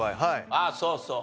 ああそうそう。